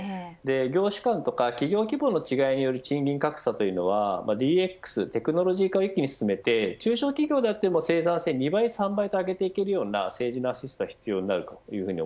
業種間や企業規模の違いによる賃金格差はＤＸ、テクノロジー化を一気に進めて中小企業であっても生産性を２倍、３倍と上げられる政治のアシストが必要です。